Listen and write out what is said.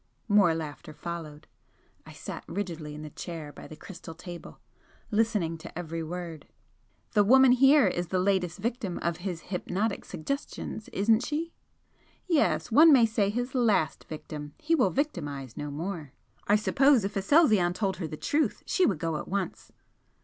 More laughter followed. I sat rigidly in the chair by the crystal table, listening to every word. "The woman here is the latest victim of his hypnotic suggestions, isn't she?" "Yes. One may say his LAST victim he will victimise no more." "I suppose if Aselzion told her the truth she would go at once?"